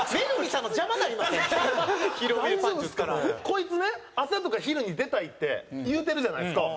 こいつね「朝とか昼に出たい」って言うてるじゃないですか。